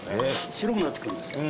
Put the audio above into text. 白くなってくるんですよ